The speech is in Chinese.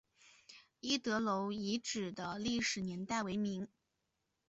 一德楼遗址的历史年代为明。